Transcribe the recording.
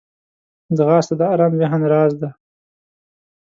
ځغاسته د ارام ذهن راز دی